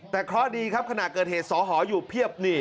แต่เคราะห์ดีครับขณะเกิดเหตุสอหออยู่เพียบนี่